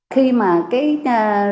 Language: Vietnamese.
khi mà cái